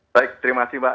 baik terima kasih mbak